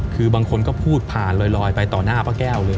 คือบางคนก็พูดผ่านลอยไปต่อหน้าป้าแก้วเลย